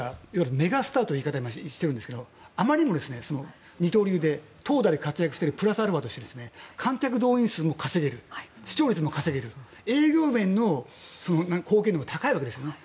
メガスターという言い方をしてるんですがあまりにも二刀流で投打で活躍しているプラスアルファとして観客動員数を稼げる視聴率も稼げるという営業面の貢献度が高いわけですね。